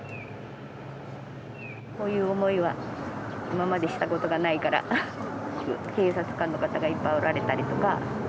こういう思いは今までしたことがないから、警察官の方がいっぱいおられたりとか。